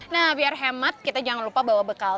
nah biar hemat kita jangan lupa bawa bekal